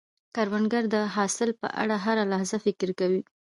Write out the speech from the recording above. کروندګر د حاصل په اړه هره لحظه فکر کوي